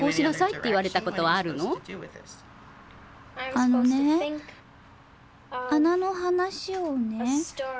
あのね穴の話をね